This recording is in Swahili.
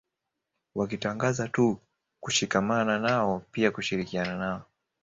Wakitangaza tu kushikamana nao pia kushirikiana nao